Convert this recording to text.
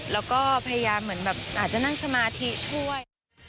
แล้วก็พยายามเหมือนแบบอาจจะนั่งสมาธิช่วย